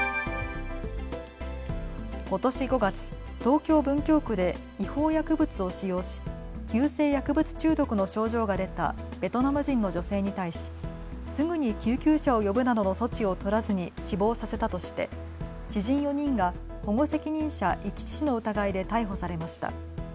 ことし５月、東京文京区で違法薬物を使用し急性薬物中毒の症状が出たベトナム人の女性に対しすぐに救急車を呼ぶなどの措置を取らずに死亡させたとして知人４人が保護責任者遺棄致死の疑いで逮捕されました。